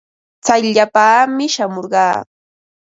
Tsayllapaami shamurqaa.